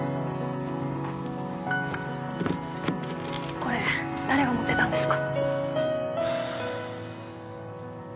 これ誰が持ってたんですか？